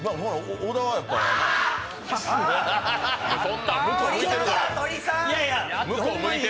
小田はやっぱな。